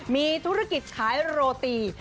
มีธุรกิจขายโรตี